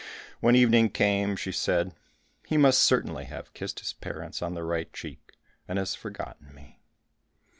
When evening came, she said, "He must certainly have kissed his parents on the right cheek, and has forgotten me."